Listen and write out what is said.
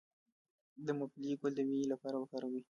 د ممپلی ګل د وینې لپاره وکاروئ